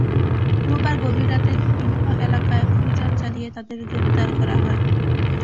রোববার গভীর রাতে বিভিন্ন এলাকায় অভিযান চালিয়ে তাঁদের গ্রেপ্তার করা হয়।